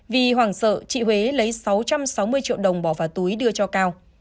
vì hoàng sợ chị huế lấy sáu trăm sáu mươi triệu đồng bỏ vào túi đưa cho cao